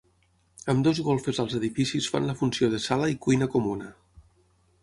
Ambdues golfes als edificis fan la funció de sala i cuina comuna.